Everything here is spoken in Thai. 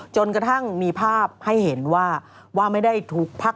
จนกระทั่งมีภาพให้เห็นว่าว่าไม่ได้ทุกพัก